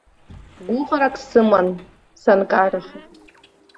Гәыӷрак сыман, санкараха.